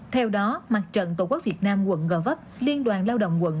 theo đó mặt trận tổ quốc việt nam quận co vấp liên đoàn lao động quận